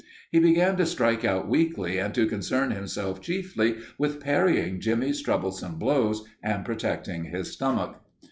He began to strike out weakly and to concern himself chiefly with parrying Jimmie's troublesome blows and protecting his stomach.